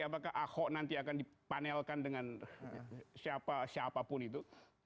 apakah ahok nanti akan dipanelkan dengan siapapun itu